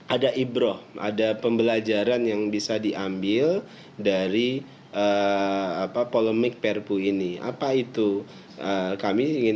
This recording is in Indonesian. ada ibroh ada pembelajaran yang bisa diambil dari apa polemik perpu ini apa itu kami ingin